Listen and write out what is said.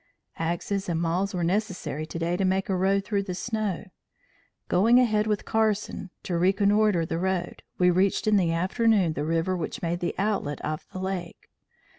"Axes and mauls were necessary today to make a road through the snow. Going ahead with Carson to reconnoitre the road, we reached in the afternoon the river which made the outlet of the lake.